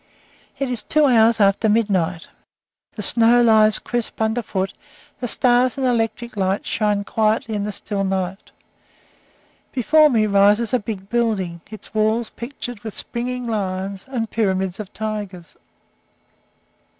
It is two hours after midnight. The snow lies crisp under foot, the stars and electric lights shine quietly in the still night. Before me rises a big building, its walls pictured with springing lions and pyramids of tigers.